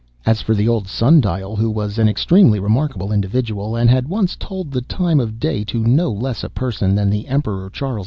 As for the old Sundial, who was an extremely remarkable individual, and had once told the time of day to no less a person than the Emperor Charles V.